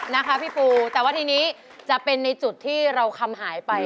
นะคะพี่ปูแต่ว่าทีนี้จะเป็นในจุดที่เราคำหายไป